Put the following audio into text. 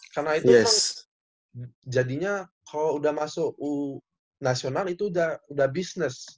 karena itu emang jadinya kalo udah masuk u nasional itu udah bisnis